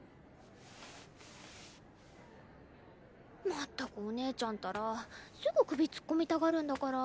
まったくお姉ちゃんたらすぐ首突っ込みたがるんだから。